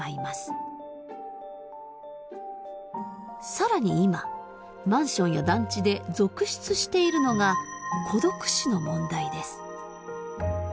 更に今マンションや団地で続出しているのが孤独死の問題です。